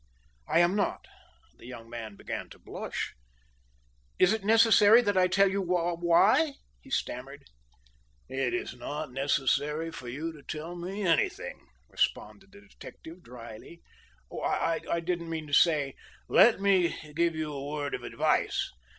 "I am not." The young man began to blush. "Is it necessary that I tell you why?" he stammered. "It is not necessary for you to tell me anything," responded the detective dryly. "I didn't mean to say " "Let me give you a word of advice.